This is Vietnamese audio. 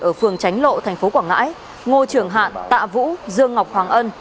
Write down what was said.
ở phường tránh lộ tp quảng ngãi ngô trường hạn tạ vũ dương ngọc hoàng ân